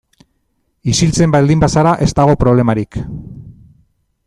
Isiltzen baldin bazara ez dago problemarik.